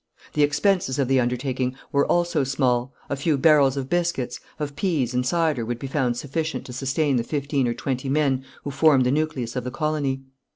The expenses of the undertaking were also small: a few barrels of biscuits, of pease and cider would be found sufficient to sustain the fifteen or twenty men who formed the nucleus of the colony.